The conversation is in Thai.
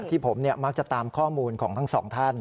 ที่ผมมักจะตามข้อมูลของทั้งสองท่าน